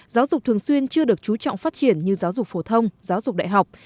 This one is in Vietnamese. giáo dục thường xuyên chưa được chú trọng phát triển như giáo dục phổ thông giáo dục đại học